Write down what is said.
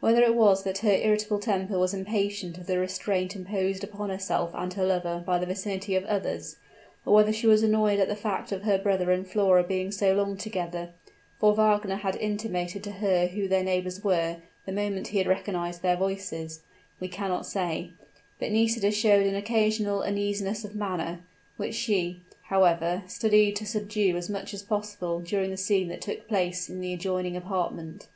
Whether it were that her irritable temper was impatient of the restraint imposed upon herself and her lover by the vicinity of others, or whether she was annoyed at the fact of her brother and Flora being so long together (for Wagner had intimated to her who their neighbors were, the moment he had recognized their voices), we cannot say; but Nisida showed an occasional uneasiness of manner, which she, however, studied to subdue as much as possible, during the scene that took place in the adjoining apartment.